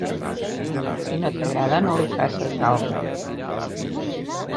Si no t'agrada, no li faces alba.